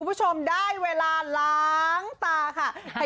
คุณผู้ชมได้เวลาล้างตาค่ะ